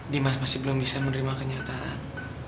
dimas masih belum bisa menerima kenyataan